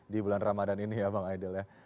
di bulan ramadhan ini ya bang aidil ya